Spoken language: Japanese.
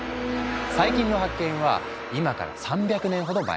細菌の発見は今から３００年ほど前。